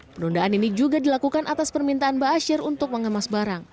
pendundaan ini juga dilakukan atas permintaan ba'asyir untuk mengemas